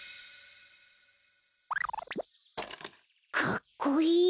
かっこいい！